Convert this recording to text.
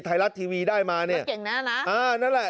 ไทยรัฐทีวีได้มาเนี่ยเก่งแน่นะอ่านั่นแหละ